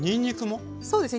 そうですね。